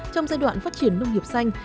trong giai đoạn phát triển nông nghiệp xanh